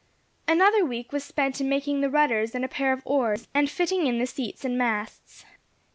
Another week was spent in making the rudders and a pair of oars, and fitting in the seats and masts.